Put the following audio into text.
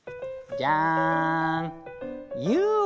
じゃん。